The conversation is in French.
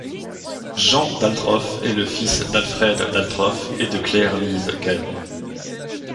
Jean Daltroff est le fils d'Alfred Daltroff et de Claire-Lise Cahen.